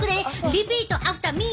リピートアフターミー。